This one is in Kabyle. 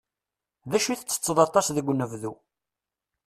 D acu i ttetteḍ aṭas deg unebdu?